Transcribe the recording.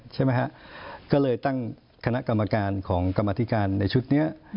ใช่ไหมฮะก็เลยตั้งคณะกรรมการของกรรมธิการในชุดนี้